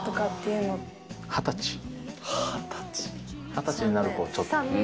二十歳になるころちょっと。